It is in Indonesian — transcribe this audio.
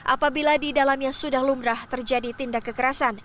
apabila di dalamnya sudah lumrah terjadi tindak kekerasan